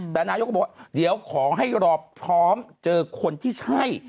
แต่นายกก็บอกว่าเดี๋ยวขอให้รอพร้อมเจอคนที่ใช่